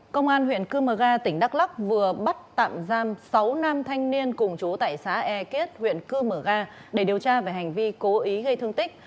công an huyện cư mờ ga tỉnh đắk lắc vừa bắt tạm giam sáu nam thanh niên cùng chú tại xã e kết huyện cư mở ga để điều tra về hành vi cố ý gây thương tích